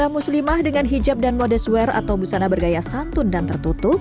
muslimah dengan hijab dan mode swear atau busana bergaya santun dan tertutup